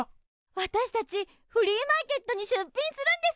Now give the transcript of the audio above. わたしたちフリーマーケットに出品するんです。